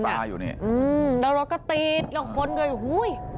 แล้วเราก็ตีดแล้วบนก็อยู่